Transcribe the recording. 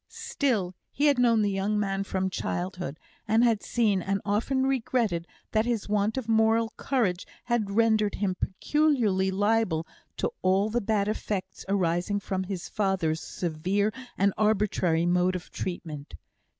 Still, he had known the young man from childhood, and had seen, and often regretted, that his want of moral courage had rendered him peculiarly liable to all the bad effects arising from his father's severe and arbitrary mode of treatment.